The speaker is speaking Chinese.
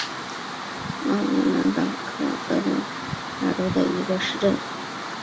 奥伊埃尔巴赫是德国巴伐利亚州的一个市镇。